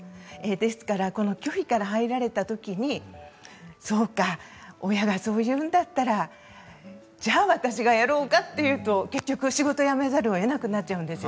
ですから拒否から入られたときに親がそう言うんだったら私がやろうかというと結局、仕事を辞めざるをえなくなってしまいます。